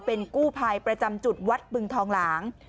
เป็นกู้ภัยประจำจุดวัดบึงทองหลาง